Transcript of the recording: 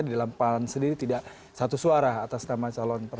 di dalam pan sendiri tidak satu suara atas nama calon